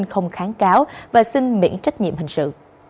không kháng cáo và xin miễn trách nhiệm hình sự